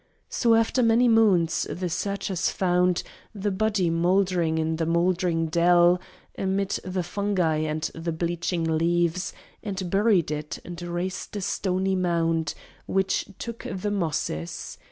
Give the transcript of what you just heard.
So, after many moons, the searchers found The body mouldering in the mouldering dell Amidst the fungi and the bleaching leaves, And buried it, and raised a stony mound Which took the mosses.